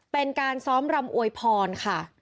เป็นการซ้อมรำอวยพรค่ะ